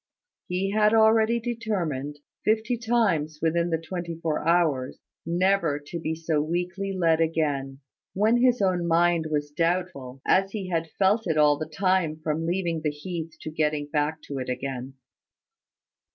He had already determined, fifty times within the twenty four hours, never to be so weakly led again, when his own mind was doubtful, as he had felt it all the time from leaving the heath to getting back to it again.